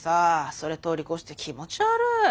それ通り越して気持ち悪い。